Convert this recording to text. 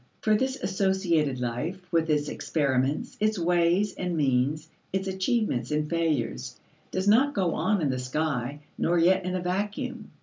For this associated life, with its experiments, its ways and means, its achievements and failures, does not go on in the sky nor yet in a vacuum.